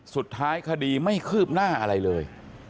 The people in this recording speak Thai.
สุดท้ายคดีไม่คืบหน้าอะไรเลย